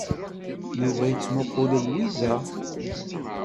Yuba yettmuqul Lwiza.